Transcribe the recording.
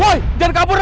woy jangan kabur loh